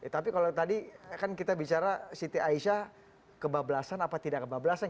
tapi kalau tadi kan kita bicara siti aisyah kebablasan apa tidak kebablasan